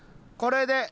これで。